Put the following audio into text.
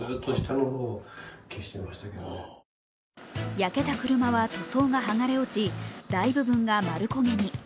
焼けた車は塗装が剥がれ落ち、大部分が丸焦げに。